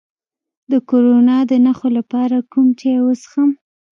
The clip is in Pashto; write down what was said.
د کرونا د نښو لپاره کوم چای وڅښم؟